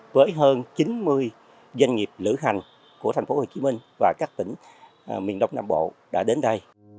với hơn chín mươi doanh nghiệp lửa hành của tp hcm và các tỉnh miền đông nam bộ đã đến đây